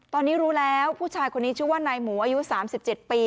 ตอนนี้รู้แล้วผู้ชายคนนี้ชื่อว่านายหมูอายุ๓๗ปี